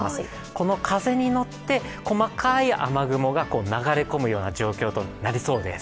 この風に乗って、細かい雨雲が流れ込むような状況となりそうです。